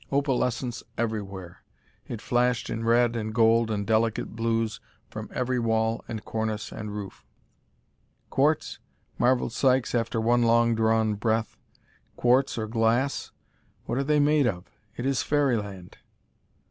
Opalescence everywhere! it flashed in red and gold and delicate blues from every wall and cornice and roof. "Quartz?" marveled Sykes after one long drawn breath. "Quartz or glass? what are they made of? It is fairyland!"